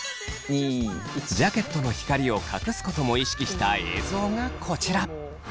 ジャケットの光を隠すことも意識した映像がこちら。